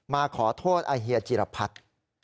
มาขอโทษอาเฮียจิรพัฒน์